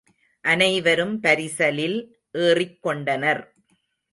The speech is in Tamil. அனைவரும் பரிசலில் ஏறிக்கொண்டனர்.